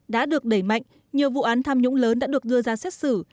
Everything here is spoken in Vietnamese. đã được đẩy mạnh nhiều vụ án tham nhũng lớn đã được đưa ra xét xử